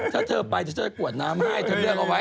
ถ้าเธอไปเชื่อจะให้กวดน้ำมาให้เธอเลือกเอาไว้